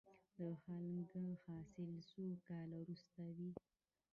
د هنګ حاصل څو کاله وروسته وي؟